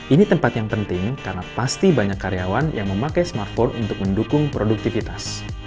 ini tempat yang penting karena pasti banyak karyawan yang memakai smartphone untuk mendukung produktivitas